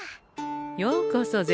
ようこそ銭